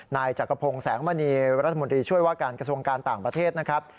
นายจักรพงศ์แสงมณีรัฐมนตรีช่วยว่าการกระทรวงการต่างประเทศนะครับ